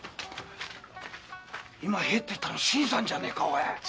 今入ったの新さんじゃねえか？